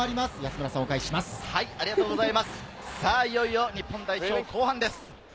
いよいよ日本代表、後半です。